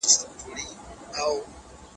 هغه خبریال چې په سیمه کې و رښتیا وویل.